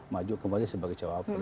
maju kembali sebagai jawabannya